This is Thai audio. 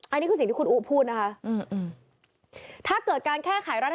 อันนี้คือสิ่งที่คุณอู๋พูดนะคะ